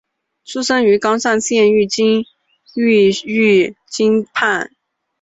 出身于冈山县御津郡御津町。